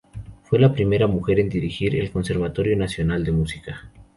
Fue la primera mujer en dirigir el Conservatorio Nacional de Música.